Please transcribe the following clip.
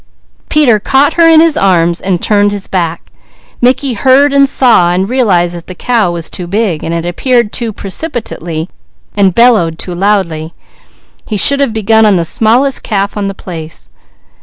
Peter caught her in his arms, turning his back. Mickey heard, and saw, and realized that the cow was too big and had appeared too precipitately, and bellowed too loudly. He should have begun on the smallest calf on the place.